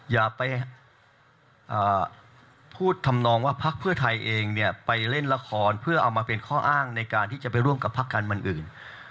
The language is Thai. อย่าไปพูดทำนองว่าพักเพื่อไทยเองเนี่ยไปเล่นละครเพื่อเอามาเป็นข้ออ้างในการที่จะไปร่วมกับพักการเมืองอื่น